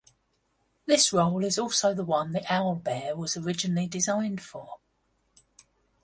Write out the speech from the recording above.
This role is also the one the owlbear was originally designed for.